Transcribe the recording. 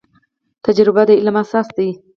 تجربه د علم اساس دی